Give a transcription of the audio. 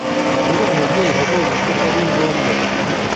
Niba umubyeyi abonye ko ari ngombwa